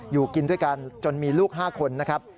อยู่กินด้วยกันจนมีลูก๕คนนะครับ